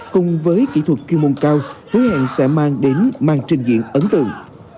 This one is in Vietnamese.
cùng với kỹ thuật chuyên môn cao hứa hẹn sẽ mang đến màn trình diễn ấn tượng